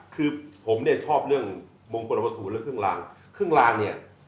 คือผมเนี่ยชอบเรื่องมงกฎวสูตรและเครื่องลางเครื่องลางเนี่ย